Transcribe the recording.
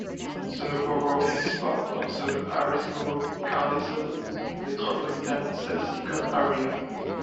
The borough is part of the Harrisburg-Carlisle Metropolitan Statistical Area.